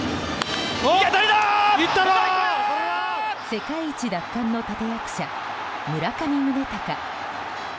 世界一奪還の立役者村上宗隆。